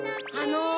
あの。